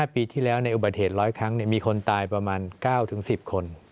ปีที่แล้วในอุบัติเหตุ๑๐๐ครั้งมีคนตายประมาณ๙๑๐คน